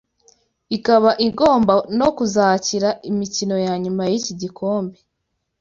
ikaba igomba no kuzakira imikino ya nyuma y’iki gikombe